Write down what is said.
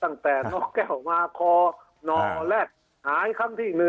ตั้งแต่น้องแก้วมากคอหนอแรกหายข้างที่๑